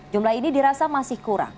jumlah ini dirasa masih kurang